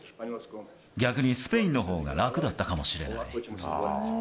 逆にスペインのほうが楽だったかもしれない。